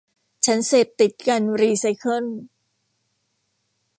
ฉันเสพติดการรีไซเคิล